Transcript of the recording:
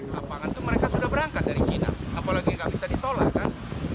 lapangan itu mereka sudah berangkat dari cina apalagi nggak bisa ditolak kan